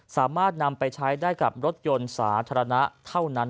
สามารถนำไปใช้ได้กับรถยนต์สาธารณะเท่านั้น